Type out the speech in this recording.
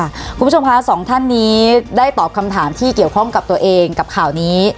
คุณผู้ชมคะสองท่านนี้ได้ตอบคำถามที่เกี่ยวข้องกับตัวเองกับข่าวนี้